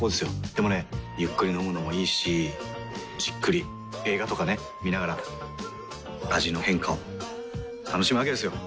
でもねゆっくり飲むのもいいしじっくり映画とかね観ながら味の変化を楽しむわけですよ。